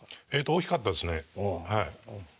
大きかったですねはい。